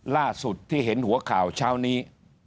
ล่าสุดที่เห็นหัวข่าวเช้านี้